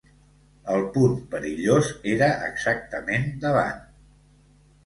El punt perillós era exactament davant